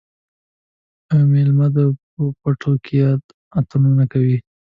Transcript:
یوه میله ده په پټو کې اتڼونه کوي